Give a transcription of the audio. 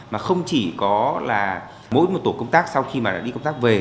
mà không chỉ có là mỗi một tổ công tác sau khi mà đi công tác về